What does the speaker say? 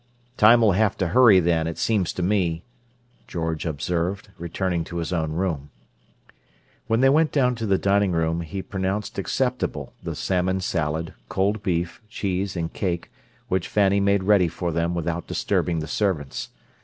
"Time'll have to hurry, then, it seems to me," George observed, returning to his own room. When they went down to the dining room, he pronounced acceptable the salmon salad, cold beef, cheese, and cake which Fanny made ready for them without disturbing the servants.